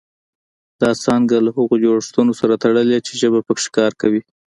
دا څانګه له هغو جوړښتونو سره تړلې چې ژبه پکې کار کوي